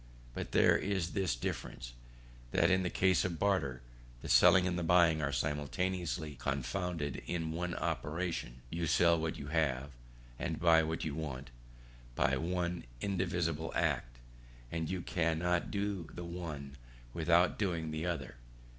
But there is this difference that in the case of barter, the selling and the buying are simultaneously confounded in one operation; you sell what you have, and buy what you want, by one indivisible act, and you cannot do the one without doing the other.